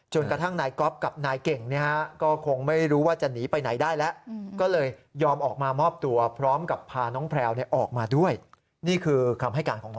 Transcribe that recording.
จนกระทั่งนายก๊อฟกับนายเก่ง